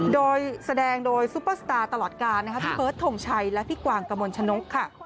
โดยแสดงโดยซูเปอร์สตาร์ตลอดการพี่เฟิร์สถงชัยและพี่กว่างกมลชนกค่ะ